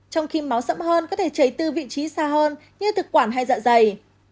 trong khi máu sẫm hơn có thể chảy từ vị trí xa hơn như thực quản hay dạ dày